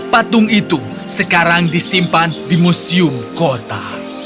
patung itu sekarang disimpan di museum kota